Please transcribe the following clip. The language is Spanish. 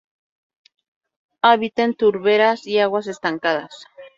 Habita en turberas y aguas estancadas.